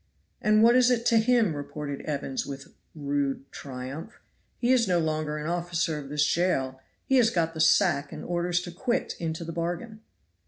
"And what is it to him?" retorted Evans with rude triumph; "he is no longer an officer of this jail; he has got the sack and orders to quit into the bargain."